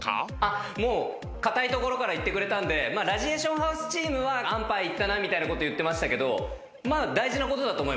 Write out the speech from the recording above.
もうかたいところからいってくれたんでラジエーションハウスチームは安パイいったなみたいなこと言ってましたけど大事なことだと思います。